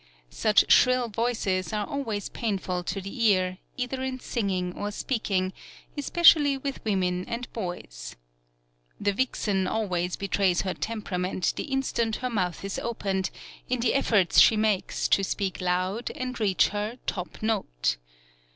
Such shrill voices are always painful to the ear, either in singing or speaking, especially with women and boys. The vixen always betrays her temperament the instant her mouth is opened, in the efforts she makes to speak loud and reach her "top note."